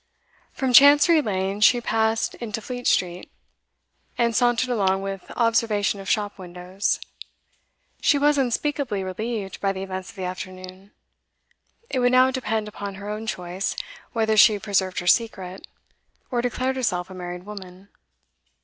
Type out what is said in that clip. From Chancery Lane she passed into Fleet Street, and sauntered along with observation of shop windows. She was unspeakably relieved by the events of the afternoon; it would now depend upon her own choice whether she preserved her secret, or declared herself a married woman.